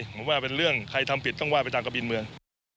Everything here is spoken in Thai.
ผมว่าเป็นเรื่องใครทำผิดต้องว่าไปตามกระบินเมือง